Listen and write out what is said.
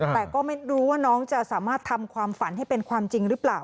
แต่ก็ไม่รู้ว่าน้องจะสามารถทำความฝันให้เป็นความจริงหรือเปล่า